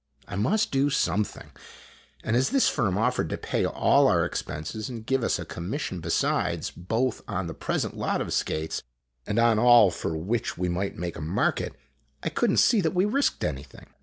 I must do something, and as this firm offered to pay all our expenses and give us a com mission besides, both on the present lot of skates and on all for which we might make a market, I could n't see that we risked anything.